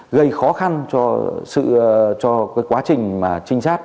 gây khó khăn cho quá trình mà trinh sát